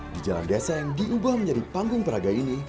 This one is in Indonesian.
di jalan desa yang diubah menjadi panggung peraga ini